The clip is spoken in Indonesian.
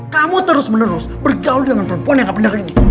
kamu terus menerus bergaul dengan perempuan yang gak pernah ini